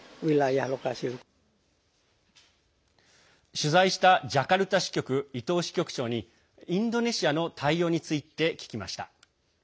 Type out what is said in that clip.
取材したジャカルタ支局伊藤支局長にインドネシアの対応について聞きました。